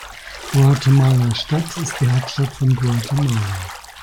Guatemala-Stadt ist die Hauptstadt von Guatemala.